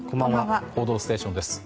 「報道ステーション」です。